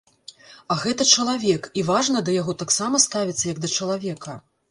А гэта чалавек, і важна да яго таксама ставіцца як да чалавека.